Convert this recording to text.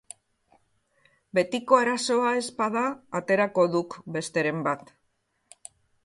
Betiko arazoa ez bada, aterako duk besteren bat.